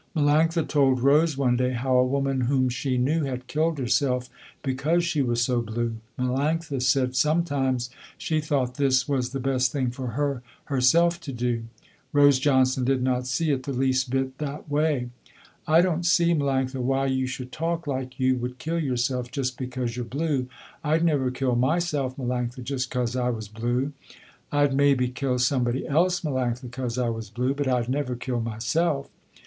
Melanctha told Rose one day how a woman whom she knew had killed herself because she was so blue. Melanctha said, sometimes, she thought this was the best thing for her herself to do. Rose Johnson did not see it the least bit that way. "I don't see Melanctha why you should talk like you would kill yourself just because you're blue. I'd never kill myself Melanctha just 'cause I was blue. I'd maybe kill somebody else Melanctha 'cause I was blue, but I'd never kill myself.